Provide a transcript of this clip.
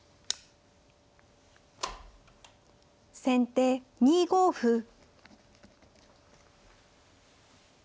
先手２五歩。